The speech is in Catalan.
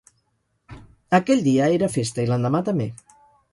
Aquell dia era festa i l'endemà també.